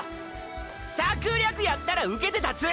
「策略」やったら受けて立つ！！